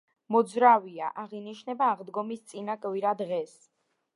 მოძრავია, აღინიშნება აღდგომის წინა კვირა დღეს.